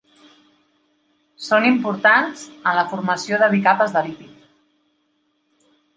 Són importants en la formació de bicapes de lípid.